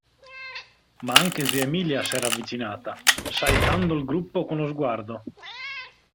Ma anche zia Emilia s'era avvicinata, saettando il gruppo con lo sguardo.